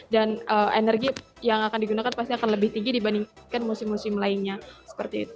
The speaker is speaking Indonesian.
dan energi yang akan digunakan pasti akan lebih tinggi dibandingkan musim musim lainnya seperti itu